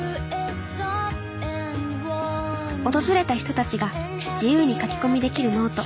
訪れた人たちが自由に書き込みできるノート。